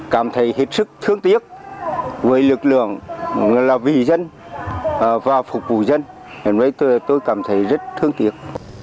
cảm thấy hết sức thương tiếc với lực lượng là vì dân và phục vụ dân nên tôi cảm thấy rất thương tiếc